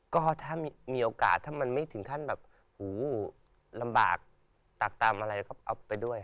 ก็ถ้ามีโอกาสถ้ามันไม่ถึงขั้นแบบหูลำบากตักตามอะไรก็เอาไปด้วย